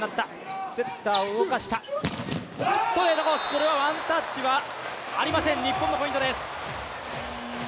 これはワンタッチはありません日本のポイントです。